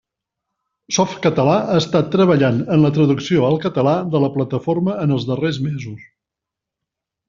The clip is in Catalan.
Softcatalà ha estat treballat en la traducció al català de la plataforma en els darrers mesos.